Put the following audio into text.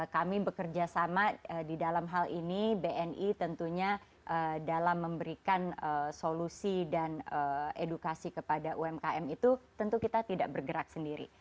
kami bekerja sama di dalam hal ini bni tentunya dalam memberikan solusi dan edukasi kepada umkm itu tentu kita tidak bergerak sendiri